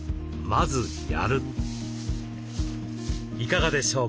まずやる！